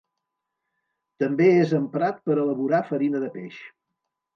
També és emprat per elaborar farina de peix.